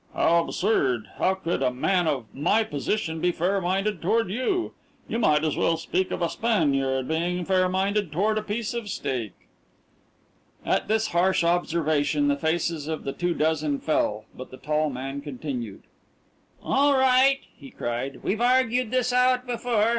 "How absurd. How could a man of my position be fair minded toward you? You might as well speak of a Spaniard being fair minded toward a piece of steak." At this harsh observation the faces of the two dozen fell, but the tall man continued: "All right!" he cried. "We've argued this out before.